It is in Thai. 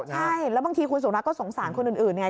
ใช่แล้วบางทีคุณสุรัตนก็สงสารคนอื่นไง